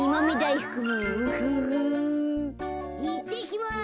いってきます。